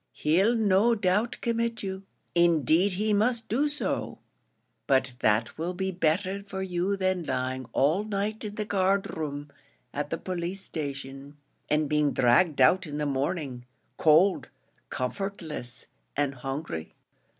He'll no doubt commit you; indeed he must do so; but that will be better for you than lying all night in the guard room at the police station, and being dragged out in the morning, cold, comfortless, and hungry."